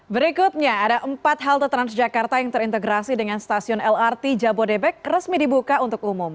berikutnya ada empat halte transjakarta yang terintegrasi dengan stasiun lrt jabodebek resmi dibuka untuk umum